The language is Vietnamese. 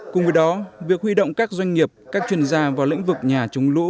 cùng với đó việc huy động các doanh nghiệp các chuyên gia vào lĩnh vực nhà chống lũ